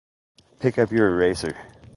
Pick up your eraser.